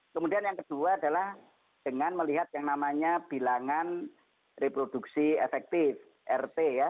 kemudian yang kedua adalah dengan melihat yang namanya bilangan reproduksi efektif rt ya